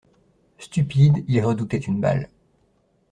Stupide, il redoutait une balle.